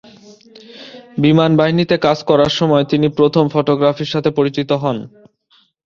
বিমান বাহিনীতে কাজ করার সময় তিনি প্রথম ফটোগ্রাফির সাথে পরিচিত হন।